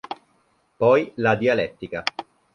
Poi la dialettica.